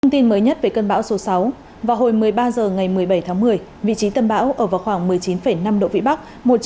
thông tin mới nhất về cơn bão số sáu vào hồi một mươi ba h ngày một mươi bảy tháng một mươi vị trí tâm bão ở vào khoảng một mươi chín năm độ vĩ bắc